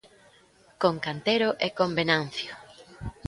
Con Cantero e con Venancio.